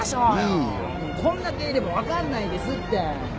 こんだけいれば分かんないですって。